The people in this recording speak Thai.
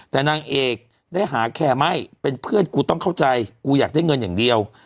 แต่นางเอกได้หาแค่ไม่เป็นเพื่อนกูต้องเข้าใจกูอยากได้เงินอย่างเดียว